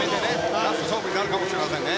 ラスト勝負になるかもしれませんね。